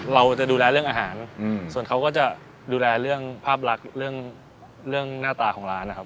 เราจะดูแลเรื่องอาหารส่วนเขาก็จะดูแลเรื่องภาพลักษณ์เรื่องหน้าตาของร้านนะครับ